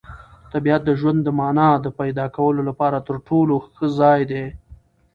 طبیعت د ژوند د مانا د پیدا کولو لپاره تر ټولو ښه ځای دی.